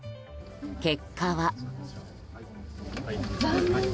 結果は。